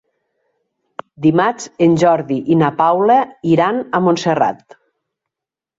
Dimarts en Jordi i na Paula iran a Montserrat.